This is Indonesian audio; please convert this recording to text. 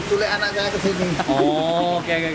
tulik anak saya kesini